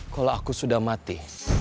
kalau aku sudah mati